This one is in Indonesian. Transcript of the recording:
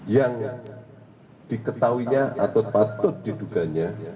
yang diketahuinya atau patut diduganya